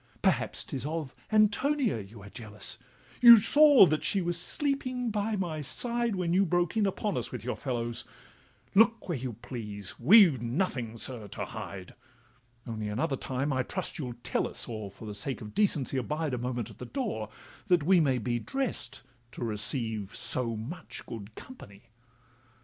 'Perhaps 'tis of Antonia you are jealous, You saw that she was sleeping by my side When you broke in upon us with your fellows: Look where you please—we've nothing, sir, to hide; Only another time, I trust, you'll tell us, Or for the sake of decency abide A moment at the door, that we may be Drest to receive so much good company.